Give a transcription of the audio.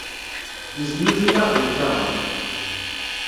Yesnuzuy-aɣ-d lkaɣeḍ.